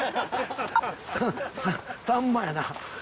ささんまやな。